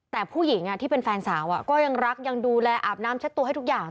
แต่ผู้หญิงที่เป็นแฟนสาวก็ยังรักยังดูแลอาบน้ำเช็ดตัวให้ทุกอย่าง